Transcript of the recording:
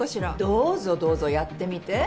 どうぞどうぞやってみて。